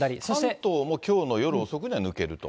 関東もきょう夜遅くには抜けると。